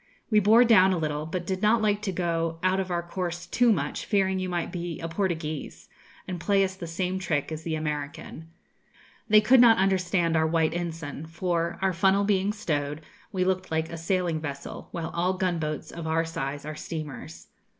We bore down a little, but did not like to go out of our course too much, fearing you might be a "Portuguese," and play us the same trick as the American.' (They could not understand our white ensign; for, our funnel being stowed, we looked like a sailing vessel, while all gunboats of our size are steamers.)